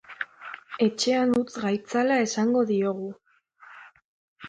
Etxean utz gaitzala esango diogu.